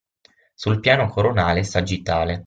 Sul piano coronale e sagittale.